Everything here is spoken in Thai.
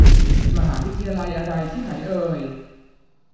มหาวิทยาลัยอะไร ที่ไหนเอ่ย